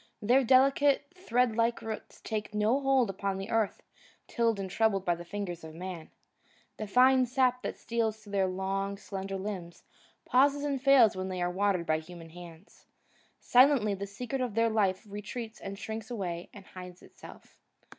Their delicate, thread like roots take no hold upon the earth tilled and troubled by the fingers of man. The fine sap that steals through their long, slender limbs pauses and fails when they are watered by human hands. Silently the secret of their life retreats and shrinks away and hides itself.